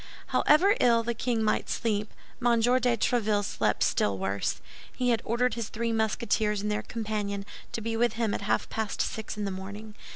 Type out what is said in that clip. However ill the king might sleep, M. de Tréville slept still worse. He had ordered his three Musketeers and their companion to be with him at half past six in the morning.